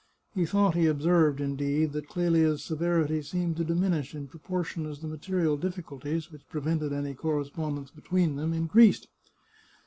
He thought he observed, indeed, that Clelia's severity seemed to dimin ish in proportion as the material difficulties, which pre vented any correspondence between them, increased.